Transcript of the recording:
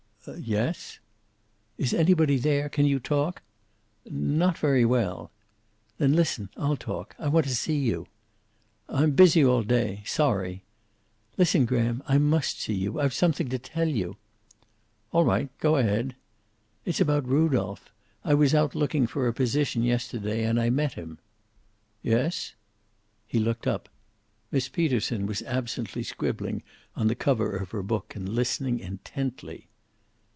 "Yes." "Is anybody there? Can you talk?" "Not very well." "Then listen; I'll talk. I want to see you." "I'm busy all day. Sorry." "Listen, Graham, I must see you. I've something to tell you." "All right, go ahead." "It's about Rudolph. I was out looking for a position yesterday and I met him." "Yes?" He looked up. Miss Peterson was absently scribbling on the cover of her book, and listening intently.